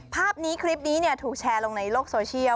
ภาพนี้คลิปนี้ถูกแชร์ลงในโลกโซเชียล